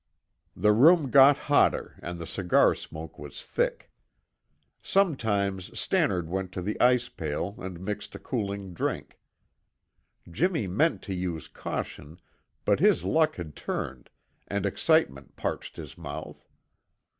The room got hotter and the cigar smoke was thick. Sometimes Stannard went to the ice pail and mixed a cooling drink. Jimmy meant to use caution, but his luck had turned, and excitement parched his mouth.